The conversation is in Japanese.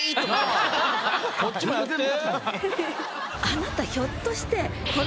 こっちもやって。